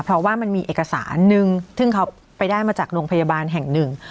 เพราะว่ามันมีเอกสารหนึ่งซึ่งเขาไปได้มาจากโรงพยาบาลแห่งหนึ่ง